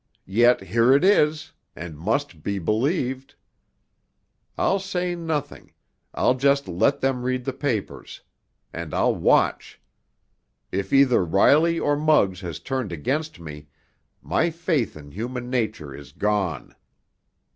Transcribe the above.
"Yet here it is—and must be believed! I'll say nothing—I'll just let them read the papers. And I'll watch! If either Riley or Muggs has turned against me, my faith in human nature is gone!